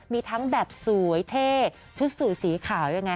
มีทั้งแบบสวยเท่ชุดสูตรสีขาวยังไง